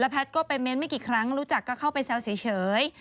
แพทย์ก็ไปเม้นต์ไม่กี่ครั้งรู้จักก็เข้าไปแซวเฉย